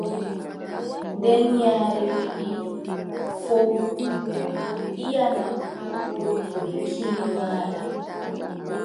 Nden yaare wii fowru: iʼanam haa hoore bee kine maaɗa.